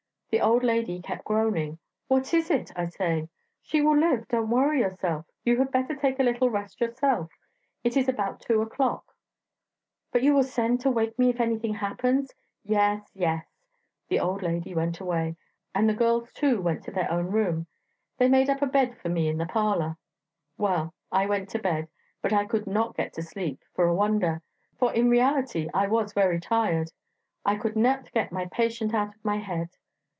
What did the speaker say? The old lady kept groaning. 'What is it?' I say; 'she will live; don't worry yourself; you had better take a little rest yourself; it is about two o'clock.' 'But will you send to wake me if anything happens?' 'Yes, yes.' The old lady went away, and the girls too went to their own room; they made up a bed for me in the parlour. Well, I went to bed but I could not get to sleep, for a wonder! for in reality I was very tired. I could not get my patient out of my head.